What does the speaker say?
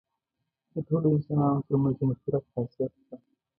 د ټولو انسانانو تر منځ یو مشترک خاصیت شته.